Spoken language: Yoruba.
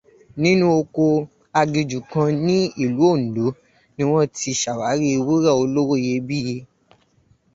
Inú oko agijù kan ní ìlú Òǹdó ni wọ́n ti ṣàwárí wúrà olówó iyebíye.